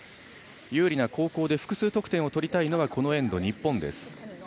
有利な後攻で複数得点を取りたいのはこのエンド、日本です。